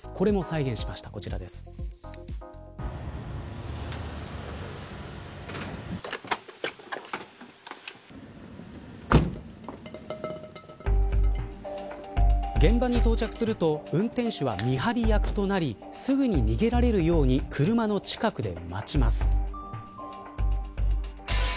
現場に到着すると運転手は見張り役となりすぐに逃げられるように車の近くで待ちます。